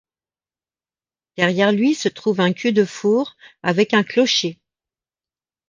Derrière lui se trouve un cul de four avec un clocher.